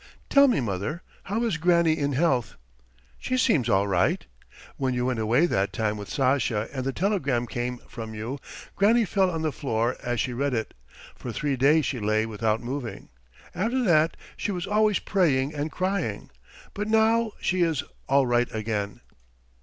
"Tell me, mother, how is Granny in health?" "She seems all right. When you went away that time with Sasha and the telegram came from you, Granny fell on the floor as she read it; for three days she lay without moving. After that she was always praying and crying. But now she is all right again."